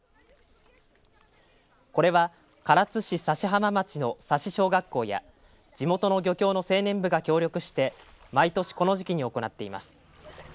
これは唐津市佐志浜町の佐志小学校や地元の漁協の青年部が協力して毎年、この時期に行っています。